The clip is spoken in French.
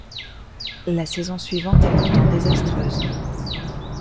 La saison suivante est pourtant désastreuse.